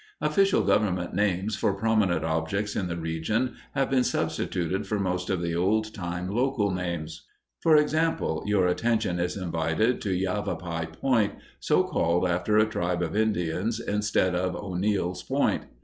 Official government names for prominent objects in the region have been substituted for most of the old time local names. For example, your attention is invited to Yavapai Point, so called after a tribe of Indians, instead of O'Neill's Point.